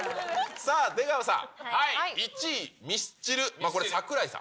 さあ出川さん、１位、ミスチル、これ、桜井さん。